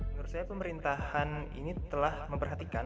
menurut saya pemerintahan ini telah memperhatikan